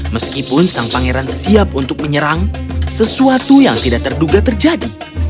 meskipun sang pangeran siap untuk menyerang sesuatu yang tidak terduga terjadi